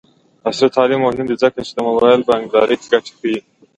عصري تعلیم مهم دی ځکه چې د موبايل بانکدارۍ ګټې ښيي.